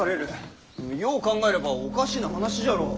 よう考えればおかしな話じゃろう。